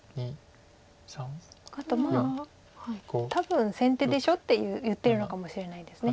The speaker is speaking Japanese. あと「多分先手でしょ」って言ってるのかもしれないです。